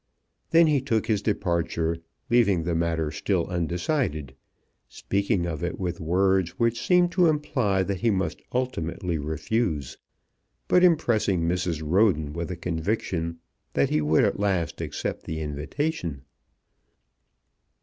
Then he took his departure, leaving the matter still undecided, speaking of it with words which seemed to imply that he must ultimately refuse, but impressing Mrs. Roden with a conviction that he would at last accept the invitation.